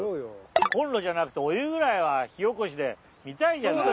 コンロじゃなくてお湯ぐらいは火おこしで見たいじゃない。